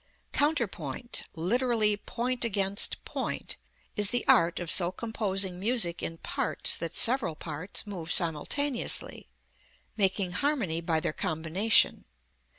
Counterpoint, literally point against point, is the art of so composing music in parts that several parts move simultaneously, making harmony by their combination.